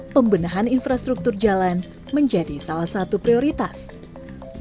pembenahan infrastruktur jalan menjadi satu aspek yang sangat penting untuk kita